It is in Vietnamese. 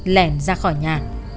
lèn ra khỏi nhà